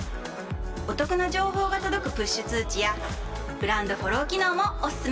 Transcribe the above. お得な情報が届くプッシュ通知やブランドフォロー機能もおすすめ！